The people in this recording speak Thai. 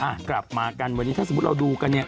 อ่ะกลับมากันวันนี้ถ้าสมมุติเราดูกันเนี่ย